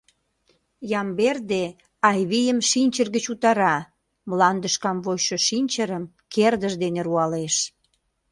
Ямберде Айвийым шинчыр гыч утара, мландыш камвочшо шинчырым кердыж дене руалеш.